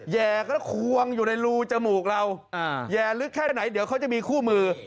แห่แล้วควงอยู่ในรูจมูกเราแย่ลึกแค่ไหนเดี๋ยวเขาจะมีคู่มือ